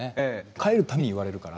帰るたんびに言われるから。